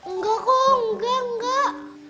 enggak kok enggak enggak